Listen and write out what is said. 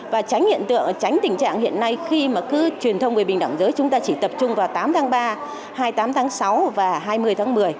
và tránh hiện tượng tránh tình trạng hiện nay khi mà cứ truyền thông về bình đẳng giới chúng ta chỉ tập trung vào tám tháng ba hai mươi tám tháng sáu và hai mươi tháng một mươi